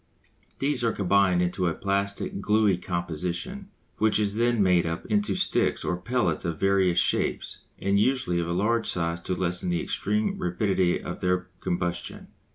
These are combined into a plastic, gluey composition, which is then made up into sticks or pellets of various shapes, and usually of large size to lessen the extreme rapidity of their combustion.